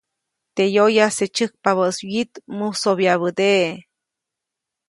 Teʼ yoyase tysäjkpabäʼis wyit, musobyabädeʼe.